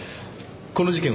この事件